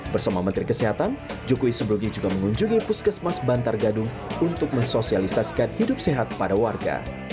bersama menteri kesehatan jokowi sebelumnya juga mengunjungi puskesmas bantar gadung untuk mensosialisasikan hidup sehat pada warga